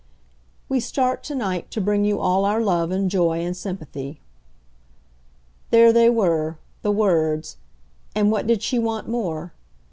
"We start to night to bring you all our love and joy and sympathy." There they were, the words, and what did she want more?